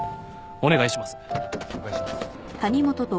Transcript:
・お願いします。